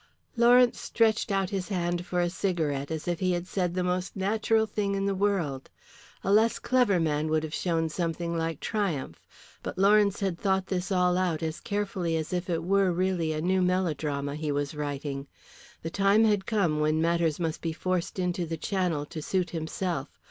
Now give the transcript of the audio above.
Lawrence stretched out his hand for a cigarette as if he had said the most natural thing in the world. A less clever man would have shown something like triumph. But Lawrence had thought this all out as carefully as if it were really a new melodrama he was writing. The time had come when matters must be forced into the channel to suit himself.